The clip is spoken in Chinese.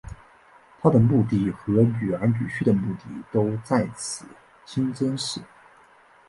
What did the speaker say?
她的墓地和女儿女婿的墓地都在此清真寺。